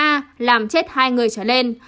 a làm chết hai người trở lên